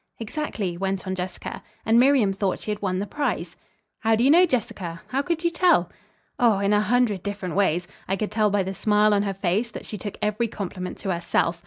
"Exactly," went on Jessica, "and Miriam thought she had won the prize." "How do you know, Jessica! How could you tell?" "Oh, in a hundred different ways. I could tell by the smile on her face that she took every compliment to herself.